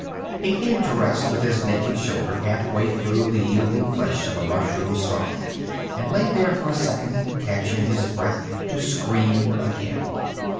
He came to rest with his naked shoulder half way through the yielding flesh of a mushroom stalk, and lay there for a second, catching his breath to scream again.